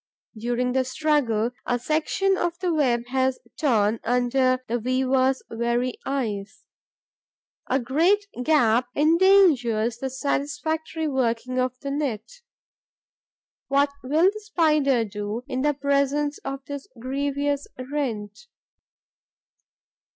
During the struggle, a section of the web has torn under the weaver's very eyes. A great gap endangers the satisfactory working of the net. What will the spider do in the presence of this grievous rent?